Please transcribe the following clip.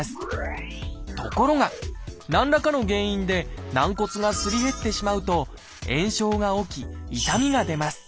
ところが何らかの原因で軟骨がすり減ってしまうと炎症が起き痛みが出ます。